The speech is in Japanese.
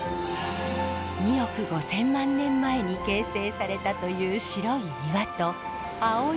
２億５，０００万年前に形成されたという白い岩と青い海のコントラスト。